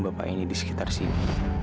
bapak ini di sekitar sini